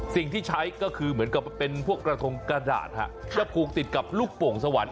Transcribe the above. สิ่งที่ใช้ก็คือเหมือนกับเป็นพวกกระทงกระดาษจะผูกติดกับลูกโป่งสวรรค